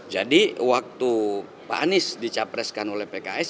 jadi waktu pak anies dicapreskan oleh pks